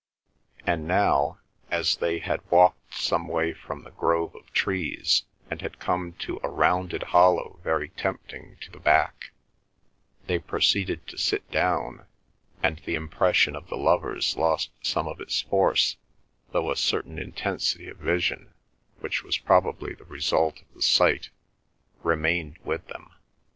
And now, as they had walked some way from the grove of trees, and had come to a rounded hollow very tempting to the back, they proceeded to sit down, and the impression of the lovers lost some of its force, though a certain intensity of vision, which was probably the result of the sight, remained with them.